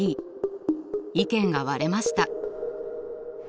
意見が割れました。